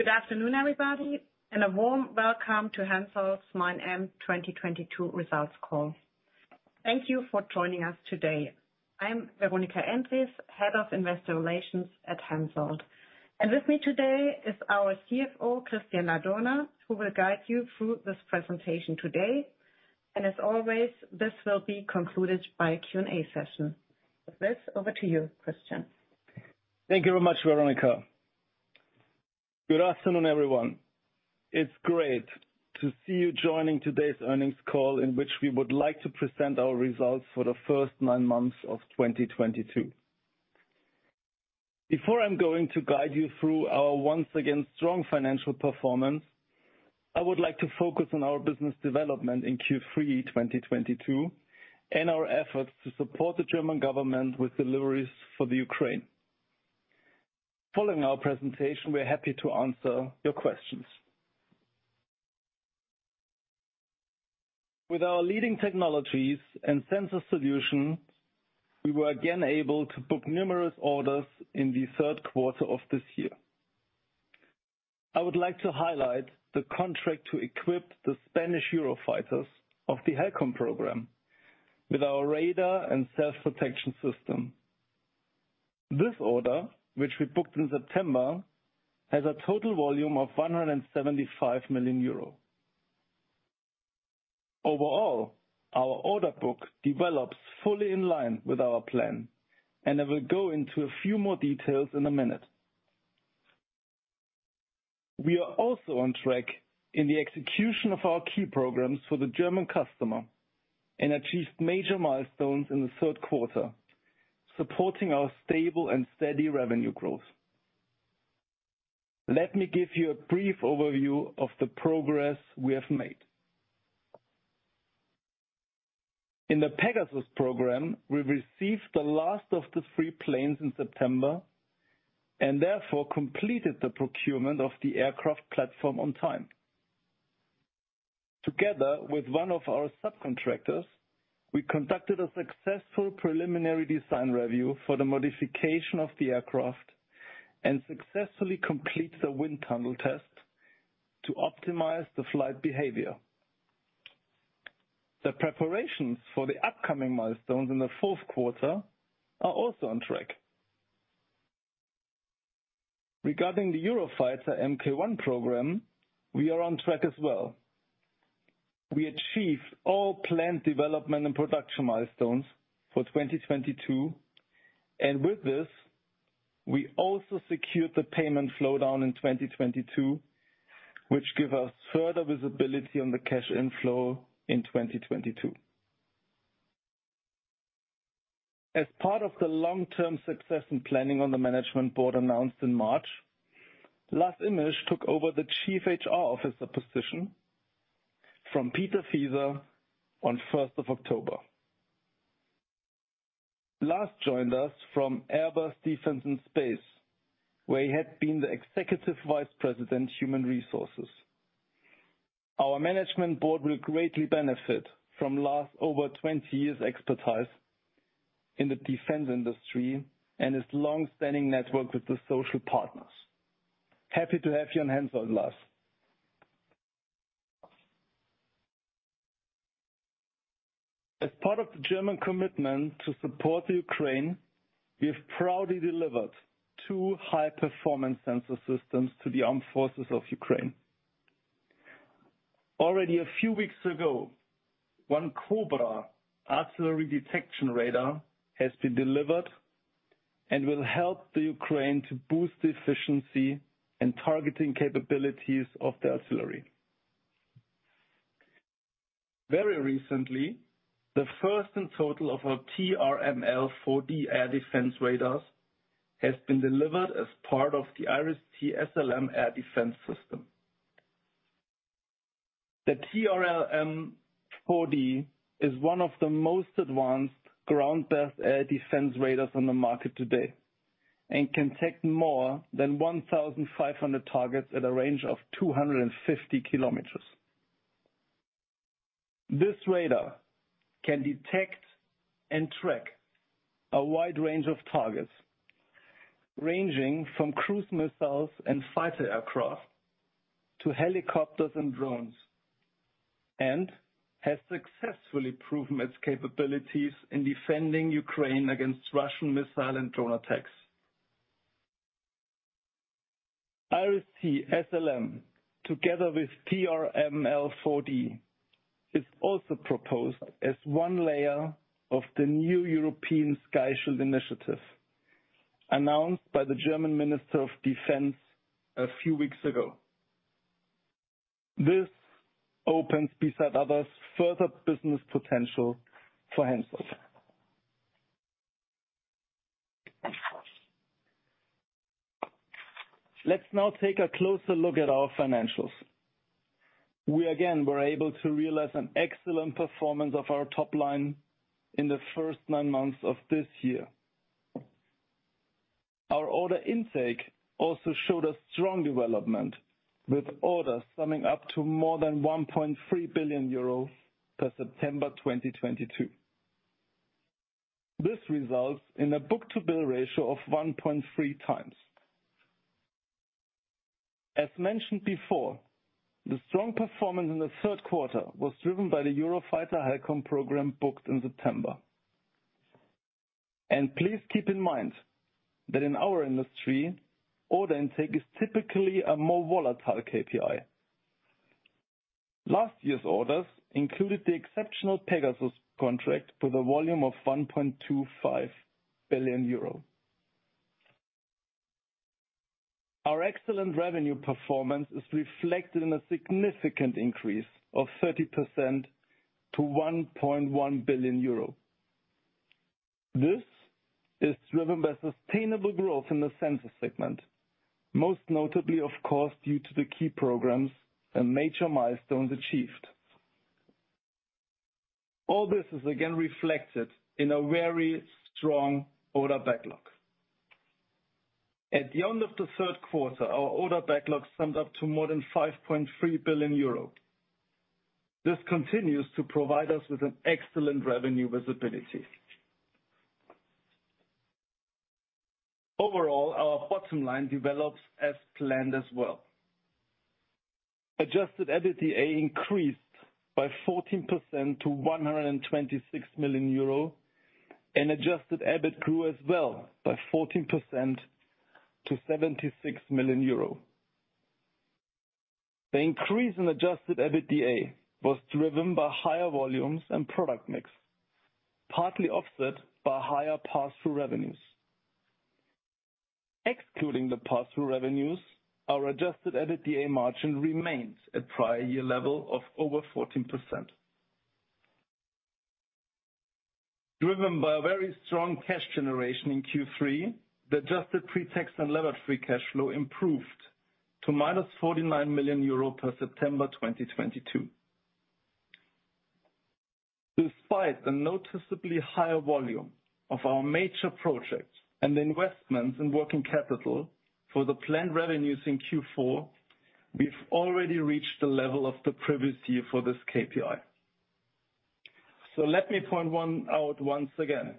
Good afternoon, everybody, and a warm welcome to Hensoldt's 9M 2022 results call. Thank you for joining us today. I'm Veronika Endres, Head of Investor Relations at Hensoldt. With me today is our CFO, Christian Ladurner, who will guide you through this presentation today. As always, this will be concluded by a Q&A session. With this, over to you, Christian. Thank you very much, Veronika. Good afternoon, everyone. It's great to see you joining today's earnings call, in which we would like to present our results for the first nine months of 2022. Before I'm going to guide you through our once again strong financial performance, I would like to focus on our business development in Q3 2022 and our efforts to support the German government with deliveries for the Ukraine. Following our presentation, we are happy to answer your questions. With our leading technologies and sensor solutions, we were again able to book numerous orders in the third quarter of this year. I would like to highlight the contract to equip the Spanish Eurofighters of the Halcon program with our radar and self-protection system. This order, which we booked in September, has a total volume of 175 million euro. Overall, our order book develops fully in line with our plan, and I will go into a few more details in a minute. We are also on track in the execution of our key programs for the German customer and achieved major milestones in the third quarter, supporting our stable and steady revenue growth. Let me give you a brief overview of the progress we have made. In the Pegasus program, we received the last of the three planes in September and therefore completed the procurement of the aircraft platform on time. Together with one of our subcontractors, we conducted a successful preliminary design review for the modification of the aircraft and successfully completed the wind tunnel test to optimize the flight behavior. The preparations for the upcoming milestones in the fourth quarter are also on track. Regarding the Eurofighter MK-I program, we are on track as well. We achieved all planned development and production milestones for 2022, and with this, we also secured the payment flow down in 2022, which give us further visibility on the cash inflow in 2022. As part of the long-term success and planning on the management board announced in March, Lars Immisch took over the Chief HR Officer position from Peter Fieser on first of October. Lars joined us from Airbus Defense and Space, where he had been the Executive Vice President, Human Resources. Our management board will greatly benefit from Lars' over 20 years expertise in the defense industry and his long-standing network with the social partners. Happy to have you on Hensoldt, Lars. As part of the German commitment to support the Ukraine, we have proudly delivered 2 high-performance sensor systems to the armed forces of Ukraine. Already a few weeks ago, one COBRA artillery detection radar has been delivered and will help Ukraine to boost the efficiency and targeting capabilities of the artillery. Very recently, the first in total of our TRML-4D air defense radars has been delivered as part of the IRIS-T SLM air defense system. The TRML-4D is one of the most advanced ground-based air defense radars on the market today and can track more than 1,500 targets at a range of 250 kilometers. This radar can detect and track a wide range of targets, ranging from cruise missiles and fighter aircraft to helicopters and drones, and has successfully proven its capabilities in defending Ukraine against Russian missile and drone attacks. IRIS-T SLM, together with TRML-4D, is also proposed as one layer of the new European Sky Shield Initiative announced by the German Minister of Defense a few weeks ago. This opens, beside others, further business potential for Hensoldt. Let's now take a closer look at our financials. We again were able to realize an excellent performance of our top line in the first nine months of this year. Our order intake also showed a strong development, with orders summing up to more than 1.3 billion euros as of September 2022. This results in a book-to-bill ratio of 1.3 times. As mentioned before, the strong performance in the third quarter was driven by the Eurofighter Halcon program booked in September. Please keep in mind that in our industry, order intake is typically a more volatile KPI. Last year's orders included the exceptional Pegasus contract with a volume of 1.25 billion euros. Our excellent revenue performance is reflected in a significant increase of 30% to 1.1 billion euro. This is driven by sustainable growth in the sensor segment, most notably, of course, due to the key programs and major milestones achieved. All this is again reflected in a very strong order backlog. At the end of the third quarter, our order backlog summed up to more than 5.3 billion euros. This continues to provide us with an excellent revenue visibility. Overall, our bottom line develops as planned as well. Adjusted EBITDA increased by 14% to 126 million euro. Adjusted EBIT grew as well by 14% to 76 million euro. The increase in adjusted EBITDA was driven by higher volumes and product mix, partly offset by higher passthrough revenues. Excluding the passthrough revenues, our adjusted EBITDA margin remains at prior year level of over 14%. Driven by a very strong cash generation in Q3, the adjusted pre-tax and levered-free cash flow improved to -49 million euro as of September 2022. Despite the noticeably higher volume of our major projects and investments in working capital for the planned revenues in Q4, we've already reached the level of the previous year for this KPI. Let me point one out once again.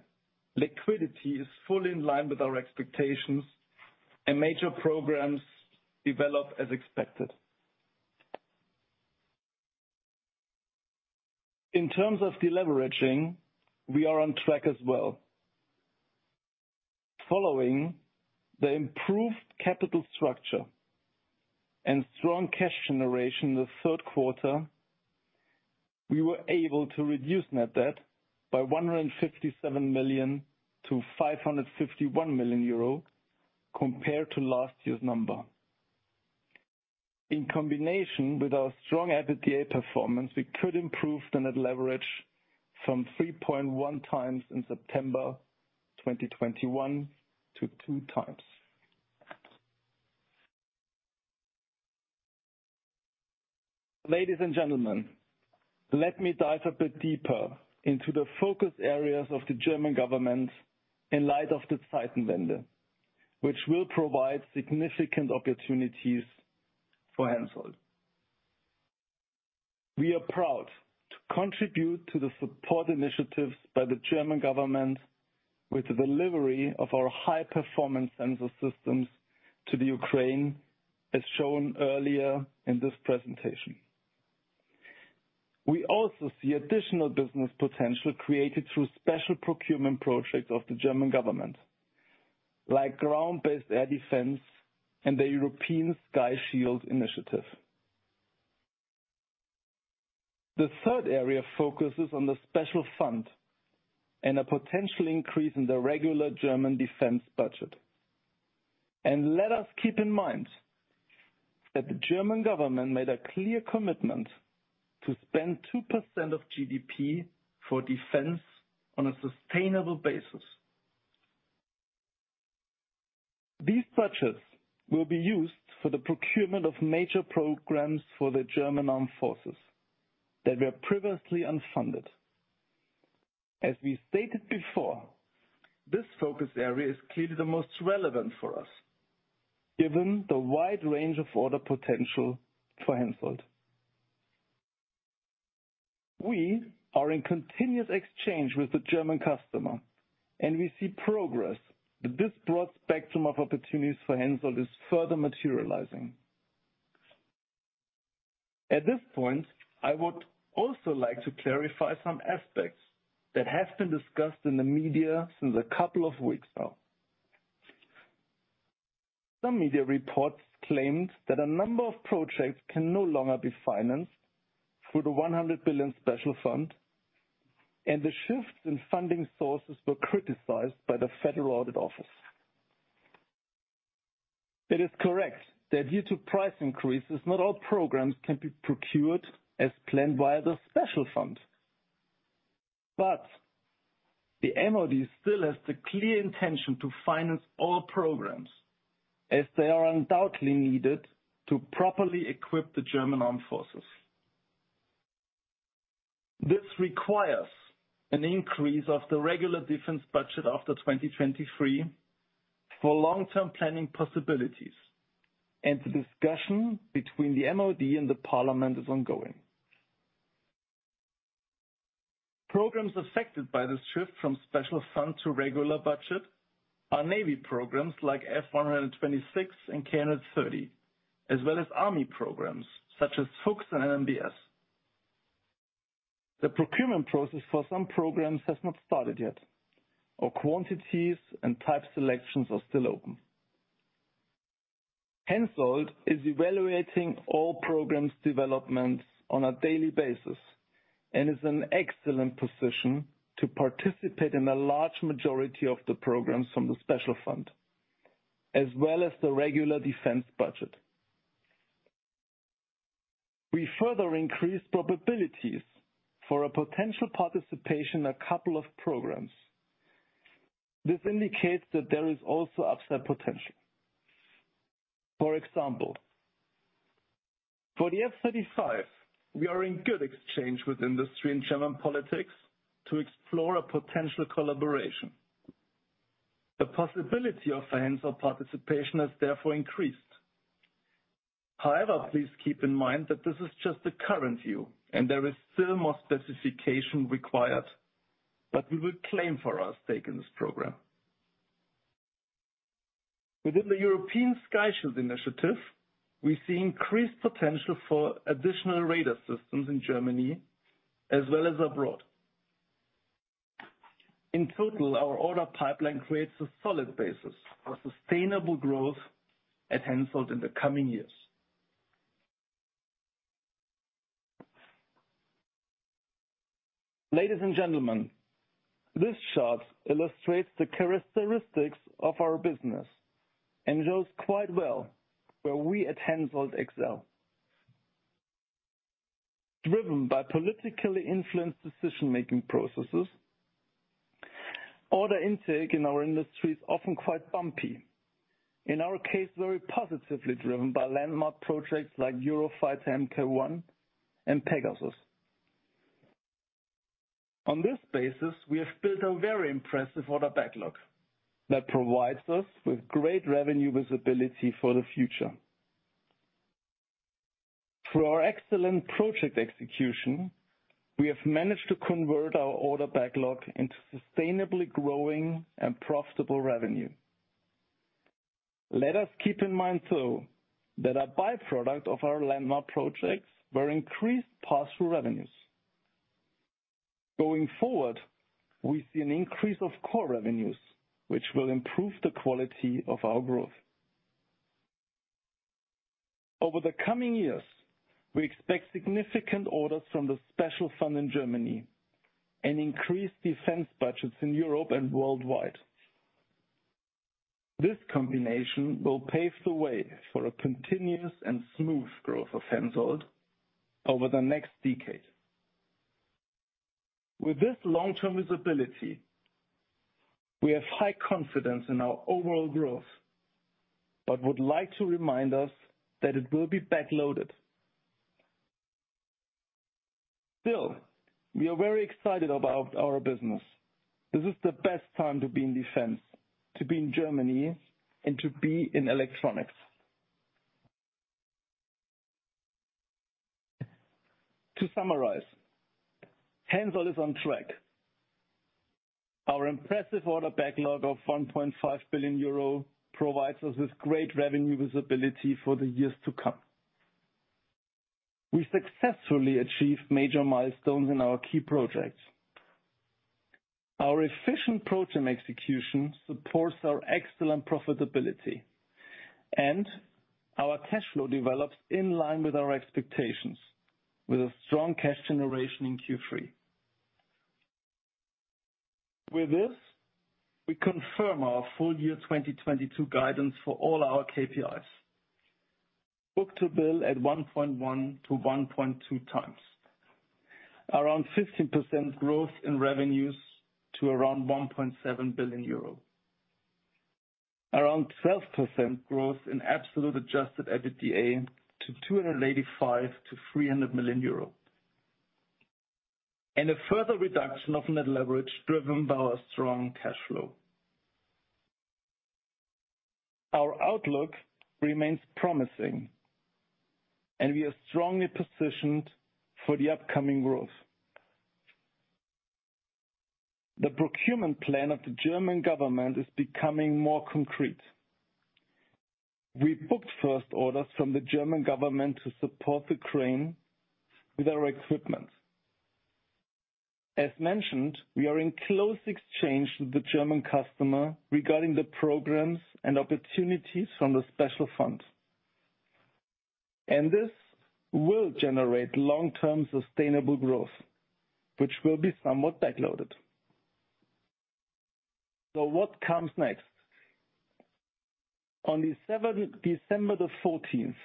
Liquidity is fully in line with our expectations and major programs develop as expected. In terms of deleveraging, we are on track as well. Following the improved capital structure and strong cash generation in the third quarter, we were able to reduce net debt by 157 million to 551 million euro compared to last year's number. In combination with our strong EBITDA performance, we could improve the net leverage from 3.1x in September 2021 to 2x. Ladies and gentlemen, let me dive a bit deeper into the focus areas of the German government in light of the Zeitenwende, which will provide significant opportunities for Hensoldt. We are proud to contribute to the support initiatives by the German government with the delivery of our high-performance sensor systems to the Ukraine, as shown earlier in this presentation. We also see additional business potential created through special procurement projects of the German government, like ground-based air defense and the European Sky Shield Initiative. The third area focuses on the special fund and a potential increase in the regular German defense budget. Let us keep in mind that the German government made a clear commitment to spend 2% of GDP for defense on a sustainable basis. These budgets will be used for the procurement of major programs for the German Armed Forces that were previously unfunded. As we stated before, this focus area is clearly the most relevant for us, given the wide range of order potential for Hensoldt. We are in continuous exchange with the German customer, and we see progress that this broad spectrum of opportunities for Hensoldt is further materializing. At this point, I would also like to clarify some aspects that have been discussed in the media since a couple of weeks now. Some media reports claimed that a number of projects can no longer be financed through the 100 billion special fund, and the shifts in funding sources were criticized by the Federal Audit Office. It is correct that due to price increases, not all programs can be procured as planned via the special fund. The MOD still has the clear intention to finance all programs, as they are undoubtedly needed to properly equip the Bundeswehr. This requires an increase of the regular defense budget after 2023 for long-term planning possibilities, and the discussion between the MOD and the Bundestag is ongoing. Programs affected by this shift from special fund to regular budget are Navy programs like F-126 and K-130, as well as Army programs such as FOCS and MMBS. The procurement process for some programs has not started yet, or quantities and type selections are still open. Hensoldt is evaluating all program developments on a daily basis and is in an excellent position to participate in a large majority of the programs from the special fund, as well as the regular defense budget. We further increase probabilities for a potential participation in a couple of programs. This indicates that there is also upside potential. For example, for the F-35, we are in good exchange with industry and German politics to explore a potential collaboration. The possibility of a Hensoldt participation has therefore increased. However, please keep in mind that this is just the current view, and there is still more specification required that we will claim for our stake in this program. Within the European Sky Shield Initiative, we see increased potential for additional radar systems in Germany as well as abroad. In total, our order pipeline creates a solid basis for sustainable growth at Hensoldt in the coming years. Ladies and gentlemen, this chart illustrates the characteristics of our business and shows quite well where we at Hensoldt excel. Driven by politically influenced decision-making processes, order intake in our industry is often quite bumpy. In our case, very positively driven by landmark projects like Eurofighter MK1 and Pegasus. On this basis, we have built a very impressive order backlog that provides us with great revenue visibility for the future. Through our excellent project execution, we have managed to convert our order backlog into sustainably growing and profitable revenue. Let us keep in mind, though, that a by-product of our landmark projects were increased pass-through revenues. Going forward, we see an increase of core revenues, which will improve the quality of our growth. Over the coming years, we expect significant orders from the special fund in Germany and increased defense budgets in Europe and worldwide. This combination will pave the way for a continuous and smooth growth of Hensoldt over the next decade. With this long-term visibility, we have high confidence in our overall growth, but would like to remind us that it will be back-loaded. Still, we are very excited about our business. This is the best time to be in defense, to be in Germany, and to be in electronics. To summarize, Hensoldt is on track. Our impressive order backlog of 1.5 billion euro provides us with great revenue visibility for the years to come. We successfully achieved major milestones in our key projects. Our efficient program execution supports our excellent profitability. Our cash flow develops in line with our expectations, with a strong cash generation in Q3. With this, we confirm our full year 2022 guidance for all our KPIs. Book-to-bill at 1.1-1.2x. Around 15% growth in revenues to around 1.7 billion euros. Around 12% growth in absolute adjusted EBITDA to 285 million-300 million euros. A further reduction of net leverage driven by our strong cash flow. Our outlook remains promising and we are strongly positioned for the upcoming growth. The procurement plan of the German government is becoming more concrete. We booked first orders from the German government to support Ukraine with our equipment. As mentioned, we are in close exchange with the German customer regarding the programs and opportunities from the special fund. This will generate long-term sustainable growth, which will be somewhat back-loaded. What comes next? On December the fourteenth,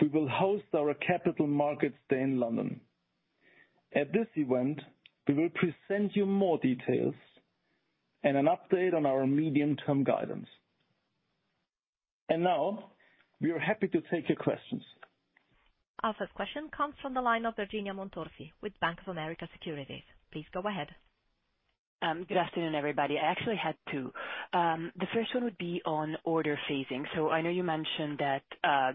we will host our Capital Markets Day in London. At this event, we will present you more details and an update on our medium-term guidance. Now we are happy to take your questions. Our first question comes from the line of Virginia Montorsi with Bank of America Securities. Please go ahead. Good afternoon, everybody. I actually had two. The first one would be on order phasing. I know you mentioned that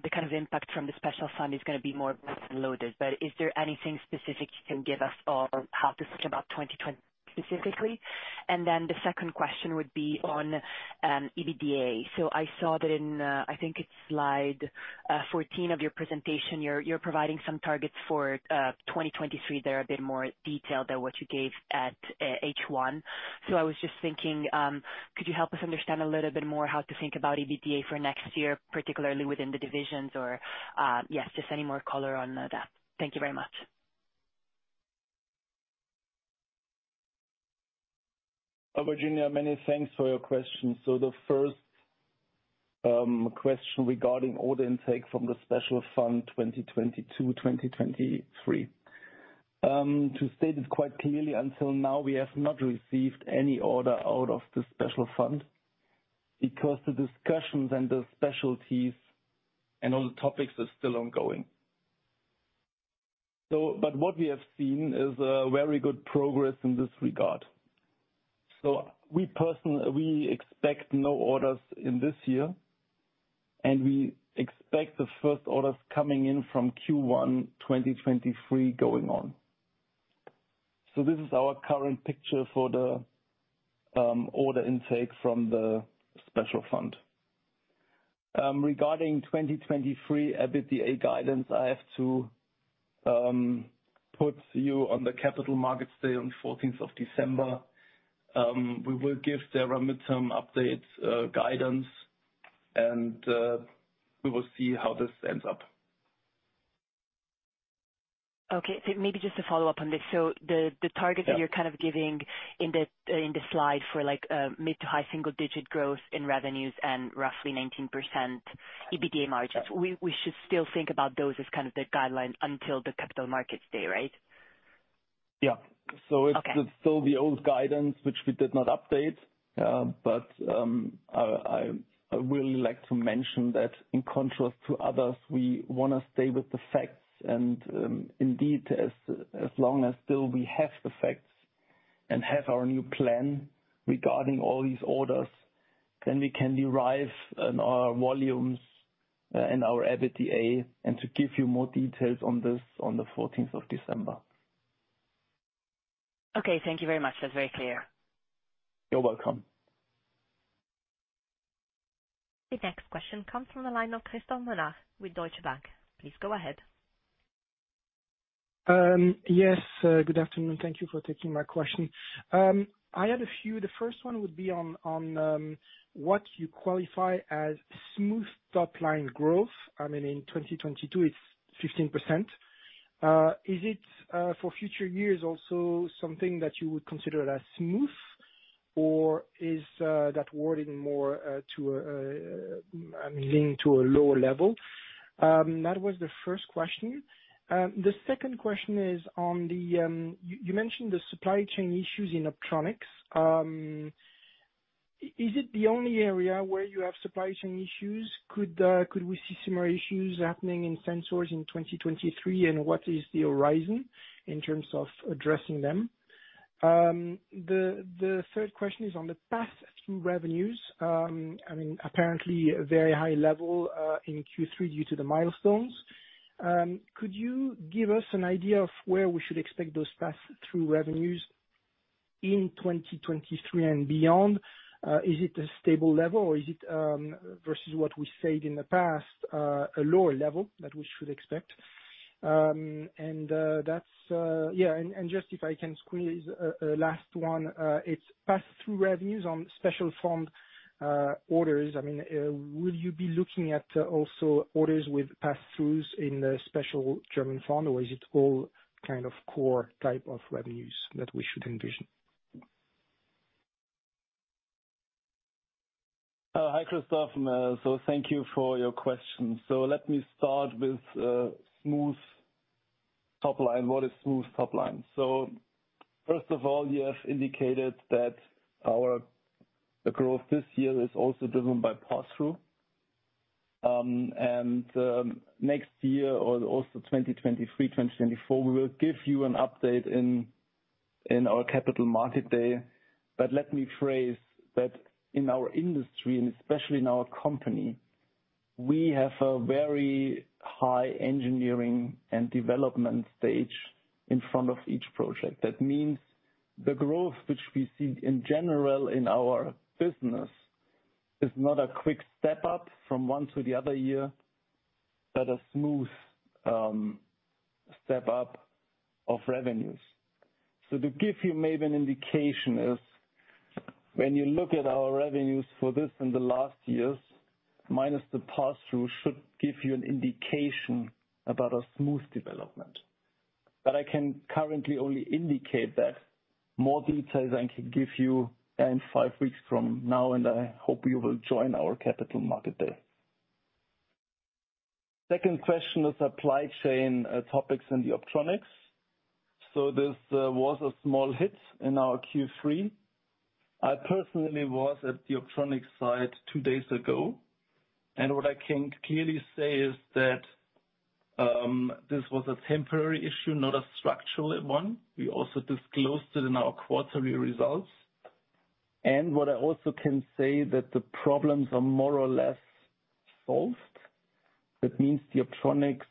the kind of impact from the special fund is gonna be more front-loaded, but is there anything specific you can give us on how to think about 2020 specifically? The second question would be on EBITDA. I saw that in, I think it's slide 14 of your presentation, you're providing some targets for 2023. They're a bit more detailed than what you gave at H1. I was just thinking, could you help us understand a little bit more how to think about EBITDA for next year, particularly within the divisions? Or yes, just any more color on that. Thank you very much. Virginia, many thanks for your question. The first question regarding order intake from the special fund, 2022, 2023. To state it quite clearly, until now, we have not received any order out of the special fund because the discussions and the specialties and all the topics are still ongoing. What we have seen is a very good progress in this regard. We expect no orders in this year, and we expect the first orders coming in from Q1 2023 going on. This is our current picture for the order intake from the special fund. Regarding 2023 EBITDA guidance, I have to put you on the capital markets day on fourteenth of December. We will give the mid-term update guidance, and we will see how this ends up. Okay. Maybe just to follow up on this. The target. Yeah. that you're kind of giving in the slide for, like, mid- to high-single-digit growth in revenues and roughly 19% EBITDA margins. Yeah. We should still think about those as kind of the guideline until the capital markets day, right? Yeah. Okay. It's still the old guidance, which we did not update. I would like to mention that in contrast to others, we wanna stay with the facts and indeed, as long as still we have the facts and have our new plan regarding all these orders, then we can rely on our volumes and our EBITDA and to give you more details on this on the fourteenth of December. Okay, thank you very much. That's very clear. You're welcome. The next question comes from the line of Christophe Menard with Deutsche Bank. Please go ahead. Yes. Good afternoon. Thank you for taking my question. I had a few. The first one would be on what you qualify as smooth top-line growth. I mean, in 2022, it's 15%. Is it for future years also something that you would consider as smooth, or is that wording more to I mean, leaning to a lower level? That was the first question. The second question is on the you mentioned the supply chain issues in Optronics. Is it the only area where you have supply chain issues? Could we see similar issues happening in Sensors in 2023, and what is the horizon in terms of addressing them? The third question is on the pass-through revenues. I mean, apparently a very high level in Q3 due to the milestones. Could you give us an idea of where we should expect those pass-through revenues in 2023 and beyond? Is it a stable level, or is it versus what we said in the past, a lower level that we should expect? Just if I can squeeze a last one. It's pass-through revenues on special fund orders. I mean, will you be looking at also orders with pass-throughs in the special German fund, or is it all kind of core type of revenues that we should envision? Hi, Christophe. Thank you for your questions. Let me start with smooth top line. What is smooth top line? First of all, you have indicated that our growth this year is also driven by pass-through. Next year or also 2023, 2024, we will give you an update in our capital market day. Let me phrase that in our industry and especially in our company, we have a very high engineering and development stage in front of each project. That means the growth which we see in general in our business is not a quick step up from one to the other year, but a smooth step up of revenues. To give you maybe an indication is when you look at our revenues for this in the last years, minus the pass-through should give you an indication about a smooth development. I can currently only indicate that. More details I can give you in 5 weeks from now, and I hope you will join our capital market day. Second question is supply chain topics in the Optronics. This was a small hit in our Q3. I personally was at the Optronics site 2 days ago, and what I can clearly say is that this was a temporary issue, not a structural one. We also disclosed it in our quarterly results. What I also can say that the problems are more or less solved. That means the electronics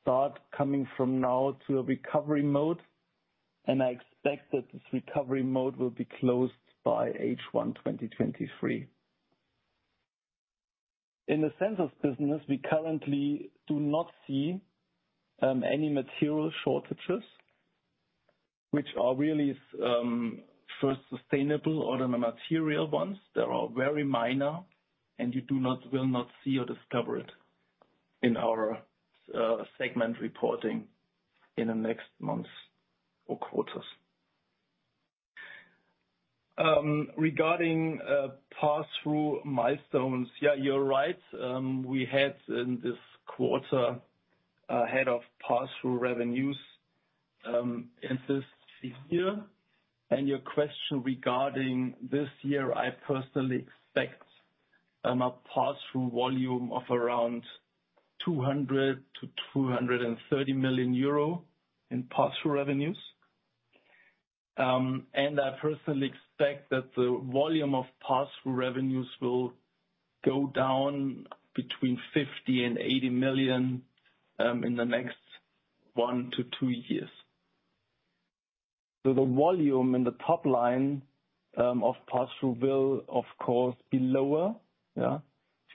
start coming from now to a recovery mode, and I expect that this recovery mode will be closed by H1 2023. In the sense of business, we currently do not see any material shortages which are really first sustainable or the material ones. They are very minor, and you will not see or discover it in our segment reporting in the next months or quarters. Regarding pass-through milestones. Yeah, you're right. We had in this quarter ahead of pass-through revenues in this year. Your question regarding this year, I personally expect a pass-through volume of around 200 million to 230 million euro in pass-through revenues. I personally expect that the volume of pass-through revenues will go down between 50 million and 80 million in the next one to two years. The volume in the top line of pass-through will of course be lower. Yeah.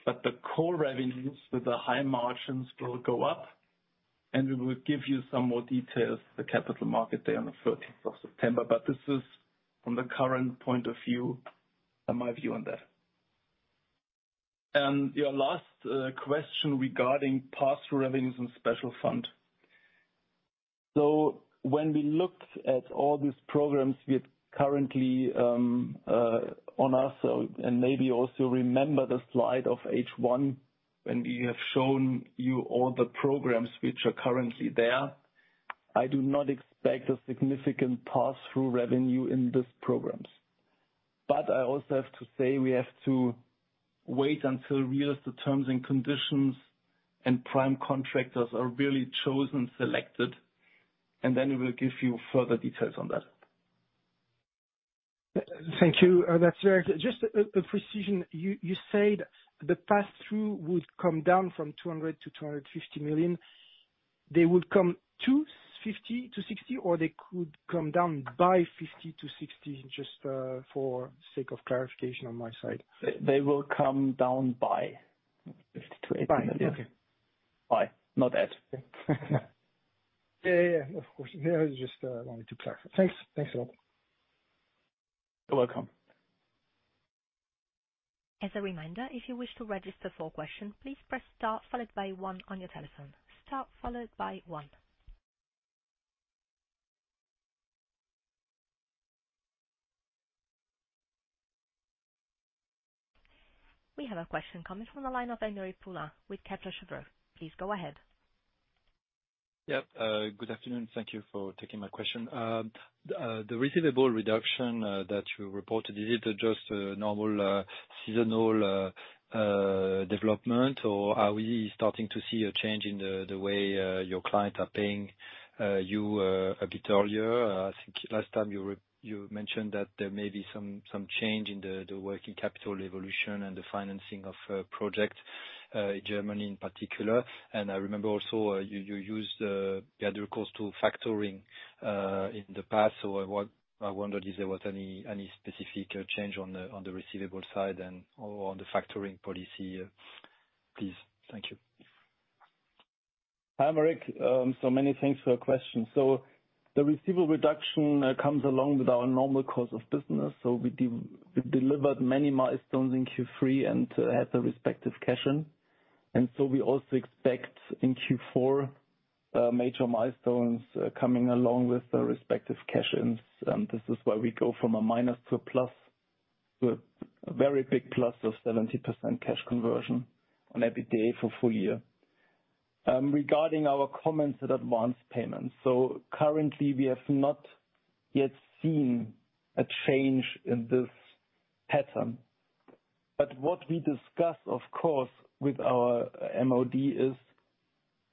The core revenues with the high margins will go up, and we will give you some more details at the capital market day on the thirteenth of September. This is from the current point of view and my view on that. Your last question regarding pass-through revenues and special fund. When we looked at all these programs we have currently ongoing, and maybe also remember the slide of H1, when we have shown you all the programs which are currently there, I do not expect a significant pass-through revenue in these programs. I also have to say we have to wait until we realize the terms and conditions and prime contractors are really chosen, selected, and then we will give you further details on that. Thank you. Just a precision. You said the pass-through would come down from 200 million to 250 million. They would come 250 to 60, or they could come down by 50 to 60? Just for sake of clarification on my side. They will come down by 50-80 million. Okay. By, not at. Yeah, yeah. Of course. Yeah, just wanted to clarify. Thanks. Thanks a lot. You're welcome. As a reminder, if you wish to register for a question, please press star followed by one on your telephone. Star followed by one. We have a question coming from the line of Aymeric Poulain with Kepler Cheuvreux. Please go ahead. Yeah. Good afternoon. Thank you for taking my question. The receivable reduction that you reported, is it just a normal seasonal development, or are we starting to see a change in the way your clients are paying you a bit earlier? I think last time you mentioned that there may be some change in the working capital evolution and the financing of project Germany in particular. I remember also you used recourse to factoring in the past. I wondered if there was any specific change on the receivable side and/or on the factoring policy. Please. Thank you. Hi, Marek. Many thanks for your question. The receivable reduction comes along with our normal course of business. We delivered many milestones in Q3 and had the respective cash in. We also expect in Q4 major milestones coming along with the respective cash ins. This is why we go from a minus to a plus, to a very big plus of 70% cash conversion on EBITDA for full year. Regarding our comments on advanced payments. Currently, we have not yet seen a change in this pattern. What we discuss, of course, with our MOD is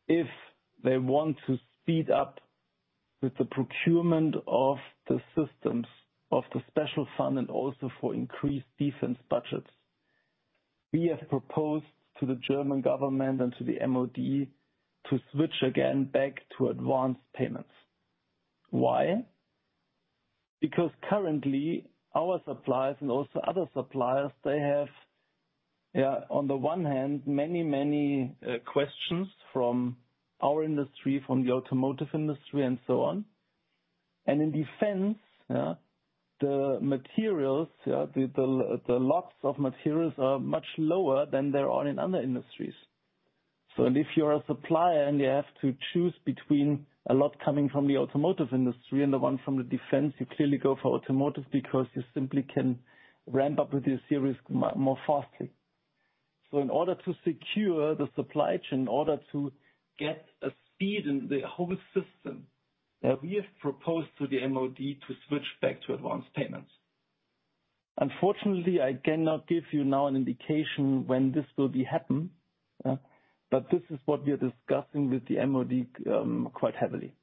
if they want to speed up with the procurement of the systems, of the special fund and also for increased defense budgets. We have proposed to the German government and to the MOD to switch again back to advanced payments. Why? Because currently, our suppliers and also other suppliers, they have, on the one hand many questions from our industry, from the automotive industry and so on. In defense, the materials, the lots of materials are much lower than they are in other industries. If you're a supplier, and you have to choose between a lot coming from the automotive industry and the one from the defense, you clearly go for automotive because you simply can ramp up with your series more faster. In order to secure the supply chain, in order to get a speed in the whole system, we have proposed to the MOD to switch back to advanced payments. Unfortunately, I cannot give you now an indication when this will happen, but this is what we are discussing with the MOD, quite heavily.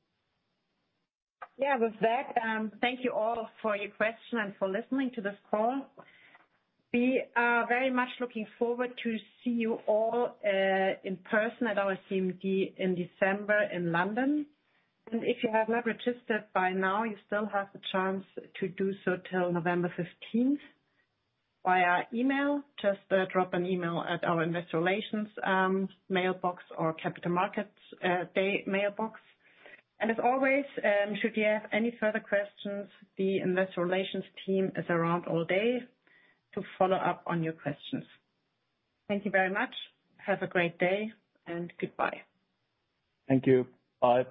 Yeah, with that, thank you all for your question and for listening to this call. We are very much looking forward to see you all in person at our CMD in December in London. If you have not registered by now, you still have the chance to do so till November fifteenth via email. Just drop an email at our investor relations mailbox or capital markets day mailbox. As always, should you have any further questions, the investor relations team is around all day to follow up on your questions. Thank you very much. Have a great day, and goodbye. Thank you. Bye.